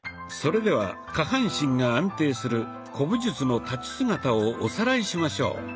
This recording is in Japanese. それでは下半身が安定する古武術の立ち姿をおさらいしましょう。